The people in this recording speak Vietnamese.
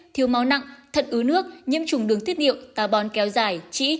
thiếu máu nặng thận ứ nước nhiễm trùng đường tiết hiệu tà bon kéo dài trĩ